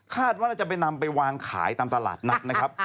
ว่าจะไปนำไปวางขายตามตลาดนัดนะครับ